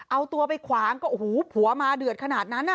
เอาตัวไปขวางก็โอ้โหผัวมาเดือดขนาดนั้นน่ะ